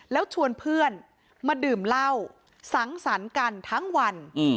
แล้วชวนเพื่อนมาดื่มเหล้าสังสรรค์กันทั้งวัน